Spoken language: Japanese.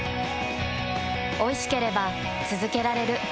おいしければつづけられる。